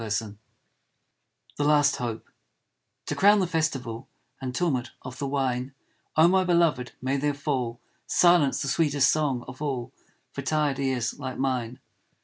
75 THE LAST HOPE To crown the festival And tumult of the wine, Oh, my beloved, may there fall Silence, the sweetest song of all For tired ears like mine.